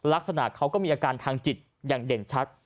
ลักษณะเขาก็มีอาการทางจิตอย่างเด่นชัด